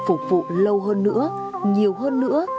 phục vụ lâu hơn nữa nhiều hơn nữa